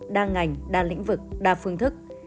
đa ngành đa lĩnh vực đa phương thức